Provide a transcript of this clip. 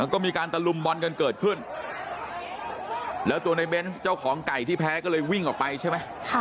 ก็มีการตะลุมบอลกันเกิดขึ้นแล้วตัวในเบนส์เจ้าของไก่ที่แพ้ก็เลยวิ่งออกไปใช่ไหม